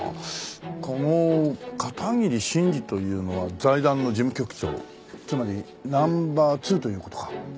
この片桐真司というのは財団の事務局長つまりナンバー２という事か。